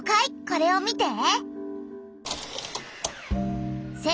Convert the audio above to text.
これを見て。